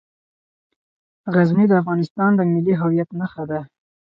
غزني د افغانستان د ملي هویت نښه ده.